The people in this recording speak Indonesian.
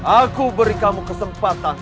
aku beri kamu kesempatan